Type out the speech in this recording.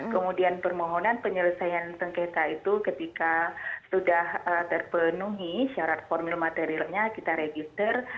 kemudian permohonan penyelesaian sengketa itu ketika sudah terpenuhi syarat formil materialnya kita register